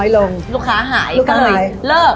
ลูกค้าหายก็เลยเลิก